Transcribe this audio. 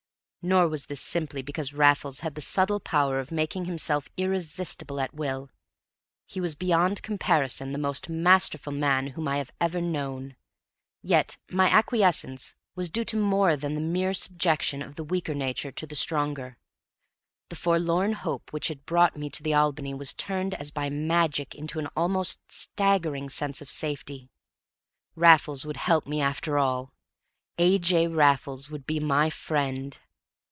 Nor was this simply because Raffles had the subtle power of making himself irresistible at will. He was beyond comparison the most masterful man whom I have ever known; yet my acquiescence was due to more than the mere subjection of the weaker nature to the stronger. The forlorn hope which had brought me to the Albany was turned as by magic into an almost staggering sense of safety. Raffles would help me after all! A. J. Raffles would be my friend!